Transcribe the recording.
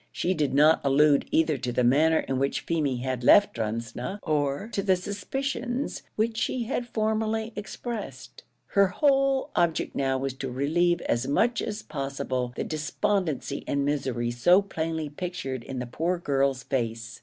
She did not allude either to the manner in which Feemy had left Drumsna, or to the suspicions which she had formerly expressed. Her whole object now was to relieve as much as possible the despondency and misery so plainly pictured in the poor girl's face.